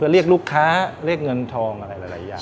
เรียกเงินทองอะไรหลายอย่าง